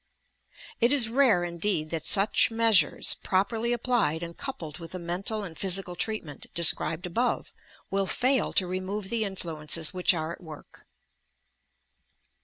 It is rare indeed that such measures, properly ap plied and coupled with the mental and physical treat ment, described above, will fail to remove the influences which arc at work.